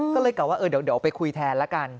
ก็เลยกลับว่าเดี๋ยวไปคุยแทนละกัน